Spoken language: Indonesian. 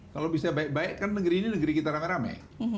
kalau bisa baik baik kan negeri ini negeri kita rame rame